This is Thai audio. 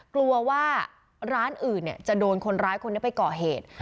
กลัวว่าร้านอื่นจะโดนคนร้ายคนนี้ไปก่อเหตุ